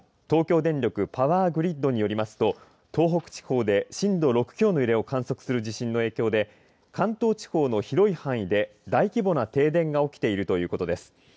東京電力パワーグリッドによりますと東北地方で震度６強の揺れを観測する地震の影響で関東地方の広い範囲で大規模な停電が起きているということです。